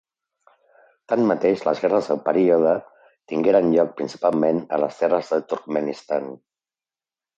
Tanmateix, les guerres del període tingueren lloc principalment a les terres de Turkmenistan.